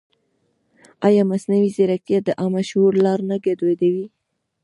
ایا مصنوعي ځیرکتیا د عامه شعور لار نه ګډوډوي؟